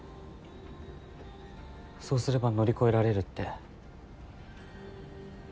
そうすれば乗り越えられるって？